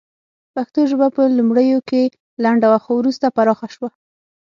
پښتو ژبه په لومړیو کې لنډه وه خو وروسته پراخه شوه